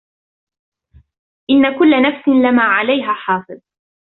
إن كل نفس لما عليها حافظ